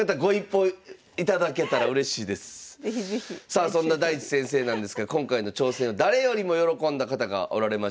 さあそんな大地先生なんですけど今回の挑戦を誰よりも喜んだ方がおられました。